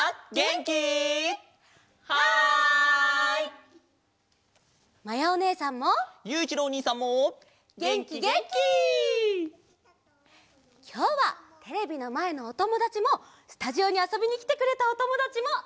きょうはテレビのまえのおともだちもスタジオにあそびにきてくれたおともだちもいっしょにあそぶよ。